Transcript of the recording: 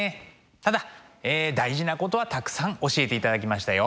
ただ大事なことはたくさん教えていただきましたよ。